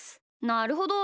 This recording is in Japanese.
なるほど。